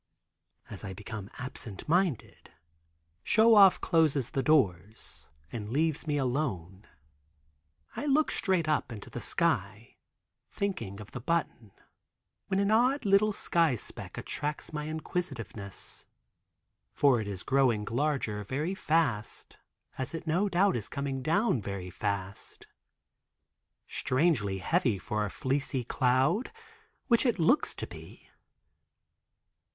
As I become absent minded, Show Off closes the doors and leaves me alone." I look straight up into the sky, thinking of the button, when an odd little sky speck attracts my inquisitiveness, for it is growing larger very last, as it no doubt is coming down very fast. Strangely heavy for a fleecy cloud, which it looks to be.